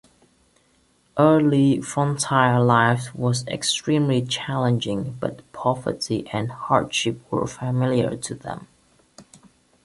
Early frontier life was extremely challenging, but poverty and hardship were familiar to them.